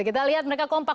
kita lihat mereka kompak